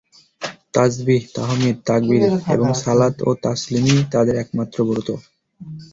তাসবীহ, তাহমীদ, তাকবীর এবং সালাত ও তাসলীমই তাদের একমাত্র ব্রত।